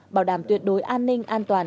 bảo đảm tuyệt đối an ninh an toàn